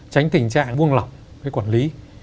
tránh tình trạng buông lỏng với quản lý